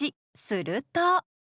すると。